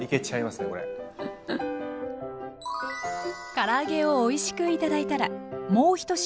から揚げをおいしく頂いたらもう１品。